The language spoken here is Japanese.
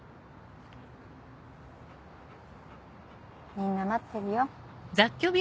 みんな待ってるよ。